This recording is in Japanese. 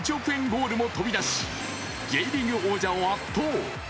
ゴールも飛び出し、Ｊリーグ王者を圧倒。